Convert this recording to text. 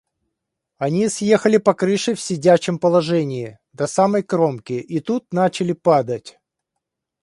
Они съехали по крыше в сидячем положении до самой кромки и тут начали падать.